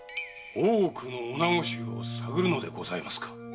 大奥の女子衆を探るのでございますか？